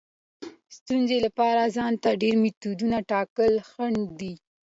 د ستونزې لپاره ځان ته ډیر میتودونه ټاکل خنډ دی.